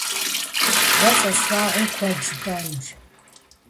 Уэ сэ слъагъум куэд жыпӏэнущ.